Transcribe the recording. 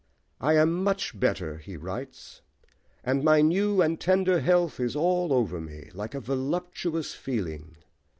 "I am much better," he writes, "and my new and tender health is all over me like a voluptuous feeling."